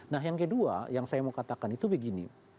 nah yang kedua yang saya mau katakan itu begini